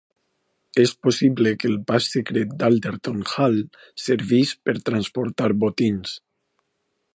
És possible que el pas secret d'Alderton Hall servís per transportar botins.